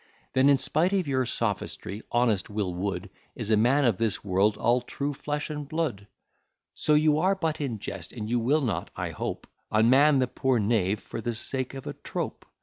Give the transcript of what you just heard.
Then in spite of your sophistry, honest Will Wood Is a man of this world, all true flesh and blood; So you are but in jest, and you will not, I hope, Unman the poor knave for the sake of a trope.